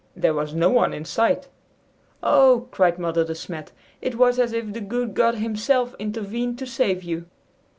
There was no one in sight." "Oh," cried Mother De Smet, "it was as if the good God himself intervened to save you!"